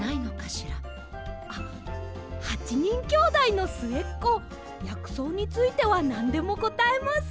あっ８にんきょうだいのすえっこやくそうについてはなんでもこたえます。